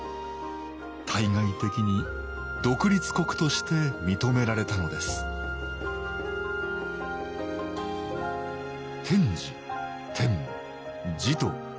対外的に独立国として認められたのです天智天武持統。